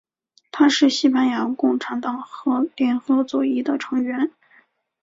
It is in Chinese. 他是西班牙共产党和联合左翼的成员。